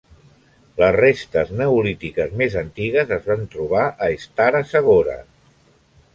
Les restes neolítiques més antigues es van trobar a Stara Zagora.